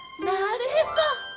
なるへそ！